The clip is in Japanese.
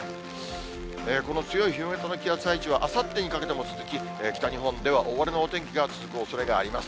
この強い冬型の気圧配置は、あさってにかけても続き、北日本では大荒れのお天気が続くおそれがあります。